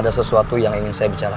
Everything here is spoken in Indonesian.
ada sesuatu yang ingin saya bicara